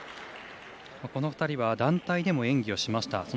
この２人は団体でも演技をしました。